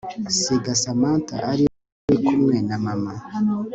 nsiga Samantha ariwe urikumwe na mama